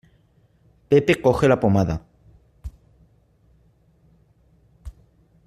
Pepe coge la pomada.